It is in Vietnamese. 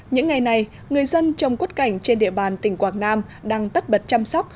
những ngày này người dân trồng quất cảnh trên địa bàn tỉnh quảng nam đang tất bật chăm sóc